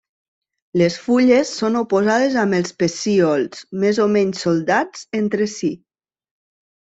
Les fulles són oposades amb els pecíols més o menys soldats entre si.